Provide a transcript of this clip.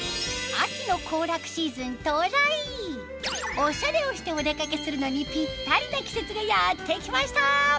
オシャレをしてお出かけするのにぴったりな季節がやってきました